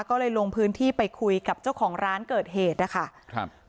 ก็เลยลงพื้นที่ไปคุยกับเจ้าของร้านเกิดเหตุนะคะครับ